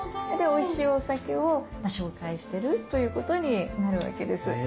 おいしいお酒を紹介してるということになるわけです。